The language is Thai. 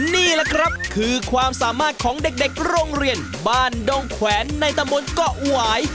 นี่แหละครับคือความสามารถของเด็กโรงเรียนบ้านดงแขวนในตำบลเกาะหวาย